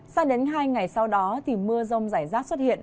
sang đến hai ngày sau đó thì mưa rông rải rác xuất hiện